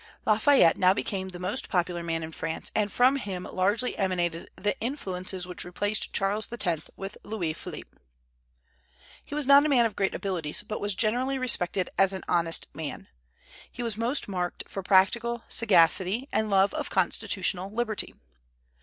Lafayette now became the most popular man in France, and from him largely emanated the influences which replaced Charles X. with Louis Philippe. He was not a man of great abilities, but was generally respected as an honest man. He was most marked for practical sagacity and love of constitutional liberty.